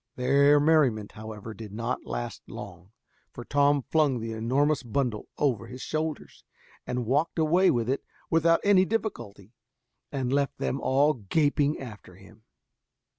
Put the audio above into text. Their merriment, however, did not last long, for Tom flung the enormous bundle over his shoulders, and walked away with it without any difficulty, and left them all gaping after him.